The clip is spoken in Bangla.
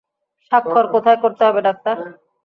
স্বাক্ষর কোথায় করতে হবে, ডাক্তার?